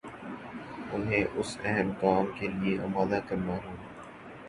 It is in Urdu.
انہیں اس اہم کام کے لیے آمادہ کرنا ہو گا